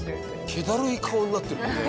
気だるい顔になってるよね。